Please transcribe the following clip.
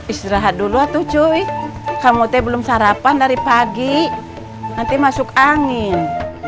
istirahat dulu atau cui kamu teh belum sarapan dari pagi nanti masuk angin